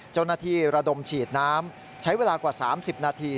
เจ้าหน้าที่ระดมฉีดน้ำใช้เวลากว่า๓๐นาที